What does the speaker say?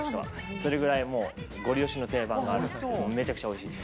それぐらいもうごり押しの定番があるんですけど、めちゃくちゃおいしいです。